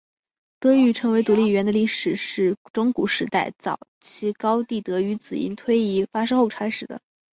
德语成为独立语言的历史是中古时代早期高地德语子音推移发生后开始的。